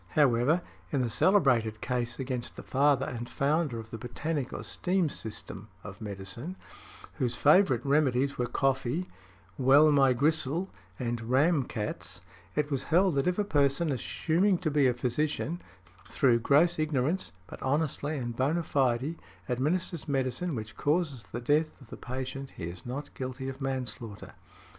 However, in the celebrated case against the father and founder of the botanic or steam system of medicine, whose |89| favorite remedies were coffee, "well my gristle," and "ram cats," it was held, that if a person assuming to be a physician, through gross ignorance, but honestly and bona fide, administers medicine which causes the death of the patient, he is not guilty of manslaughter .